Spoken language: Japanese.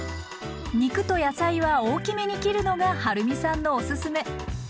肉と野菜は大きめに切るのがはるみさんのおすすめ。